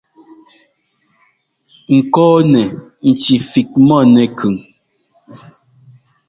Kɔɔnɛ ŋci fik mɔ nɛkʉn.